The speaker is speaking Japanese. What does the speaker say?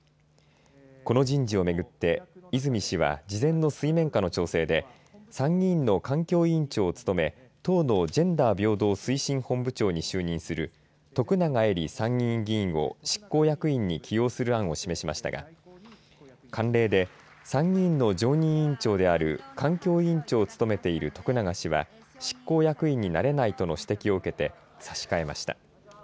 この人事をめぐって泉氏は、事前の水面下の調整で参議院の環境委員長を務め党のジェンダー平等推進本部長に就任する徳永エリ参議院議員を執行役員に起用する案を示しましたが慣例で参議院の常任委員長である環境委員長を務めている徳永氏は執行役員になれないとの指摘を受けて差し替えました。